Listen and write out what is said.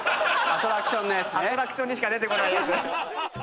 アトラクションにしか出ないやつ。